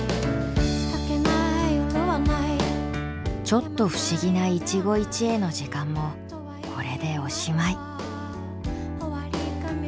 ちょっと不思議な一期一会の時間もこれでおしまい。